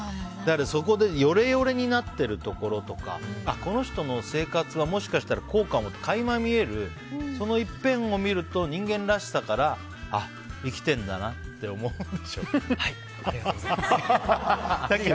そこでヨレヨレになってるところとかこの人の生活はもしかしたらこうかもって垣間見える、その一片を見ると人間らしさから生きてるんだなって思っちゃうとか。